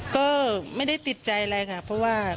ก็ไม่ได้ติดใจอะไรค่ะเพราะว่า